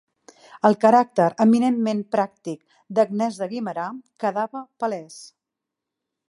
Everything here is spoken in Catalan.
El caràcter eminentment pràctic d'Agnès de Guimerà quedava palès.